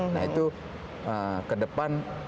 nah itu ke depan